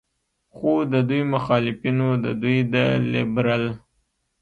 خو د دوي مخالفينو د دوي د لبرل